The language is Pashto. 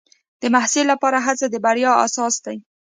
د محصل لپاره هڅه د بریا اساس دی.